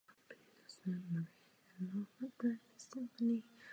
Na vrcholu řapíku jsou žlázky.